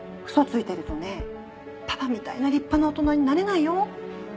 嘘ついてるとねパパみたいな立派な大人になれないよ。